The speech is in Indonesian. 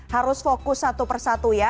harus fokus satu persatu ya